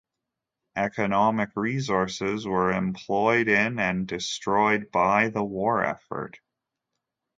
Economic resources were employed in and destroyed by the war effort.